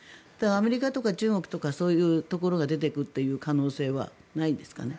アメリカとか中国とかそういうところが出ていく可能性はないんですかね？